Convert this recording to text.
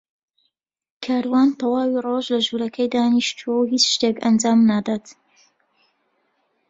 کاروان تەواوی ڕۆژ لە ژوورەکەی دانیشتووە و هیچ شتێک ئەنجام نادات.